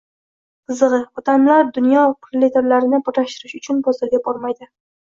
Qizig‘i, odamlar dunyo proletarlarini birlashtirish uchun bozorga bormaydi.